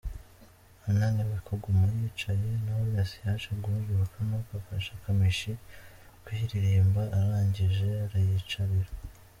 Ananiwe kuguma yicaye, Knowless yaje guhaguruka nuko afasha Kamichi kuyiririmba arangije ariyicarira.